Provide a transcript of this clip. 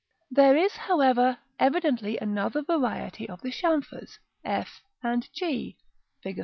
There is, however, evidently another variety of the chamfers, f and g, Fig.